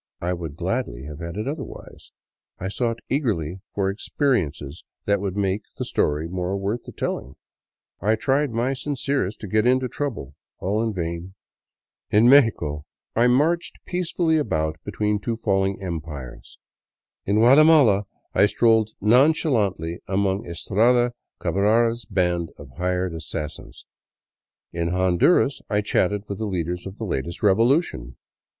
I would gladly have had it otherwise. I sought eagerly for experi ences that would make the story more worth the telling; I tried my sincerest to get into trouble ; all in vain. In Mexico I marched peace fully about between two falling empires. In Guatemala I strolled non chalantly among Estrada Cabrara's band of hired assassins. In Hon duras I chatted with the leaders of the latest revolution.